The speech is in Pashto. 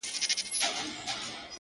ځینې سلطنتونه زرګونه کاله دوام وکړ